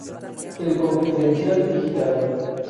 El Confidencial Digital.